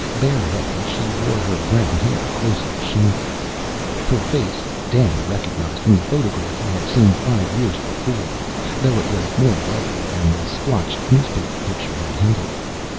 Bareheaded, she wore her brown hair closely shingled. Her face, Dan recognized from the photograph he had seen five years before, though it was more lovely than the splotched newspaper picture had hinted.